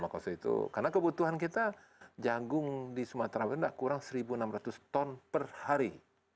karena kebutuhan kita jagung di sumatera barat tidak kurang satu enam ratus ton per hari